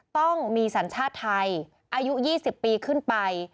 ต้องมีสัญชาติไทยอายุ๒๐ปีขึ้นไป